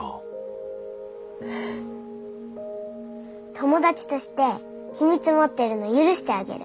友達として秘密持ってるの許してあげる。